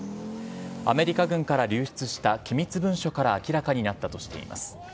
アメリカ軍から流出した機密文書から明らかになったとしています。